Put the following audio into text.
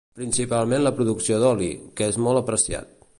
Principalment la producció d'oli, que és molt apreciat.